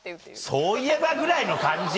そういえばぐらいの感じ